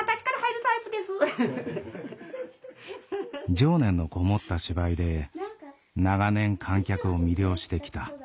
情念の籠もった芝居で長年観客を魅了してきた。